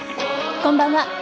こんばんは。